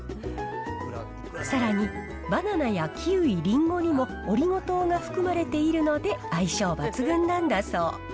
さらに、バナナやキウイ、リンゴにもオリゴ糖が含まれているので、相性抜群なんだそう。